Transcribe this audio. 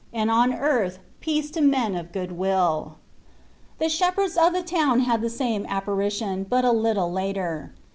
93 and on earth peace to men of good will." The shepherds of the town had the same apparition, but a little later.